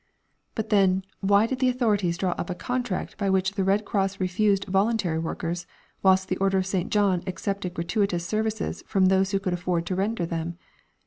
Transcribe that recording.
But then, why did the authorities draw up a contract by which the Red Cross refused voluntary workers, whilst the Order of St. John accepted gratuitous services from those who could afford to render them?